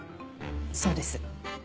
そうです。